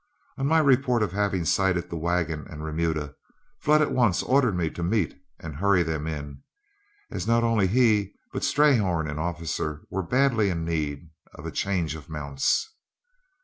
On my report of having sighted the wagon and remuda, Flood at once ordered me to meet and hurry them in, as not only he, but Strayhorn and Officer, were badly in need of a change of mounts.